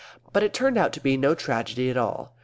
But it turned out to be no tragedy at all.